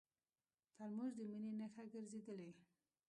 ترموز د مینې نښه ګرځېدلې.